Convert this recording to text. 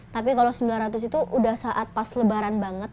tapi kalau sembilan ratus itu udah saat pas lebaran banget